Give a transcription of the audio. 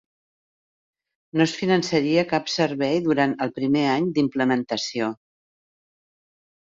No es finançaria cap servei durant el primer any d'implementació.